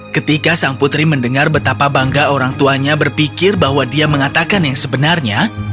ketika sang putri mendengar betapa bangga orang tuanya berpikir bahwa dia mengatakan yang sebenarnya